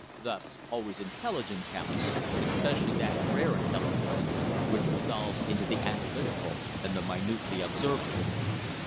Thus always intelligence counts, especially that rare intelligence which resolves into the analytical and the minutely observing.